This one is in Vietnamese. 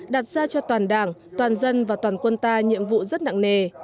đặt ra cho toàn đảng toàn dân và toàn quân ta nhiệm vụ rất nặng nề